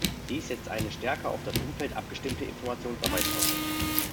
Dies setzt eine stärker auf das Umfeld abgestimmte Informationsarbeit voraus.